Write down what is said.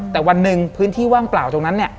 แต่วันหนึ่งพื้นที่ว่างเปล่าตรงนั้นเนี่ย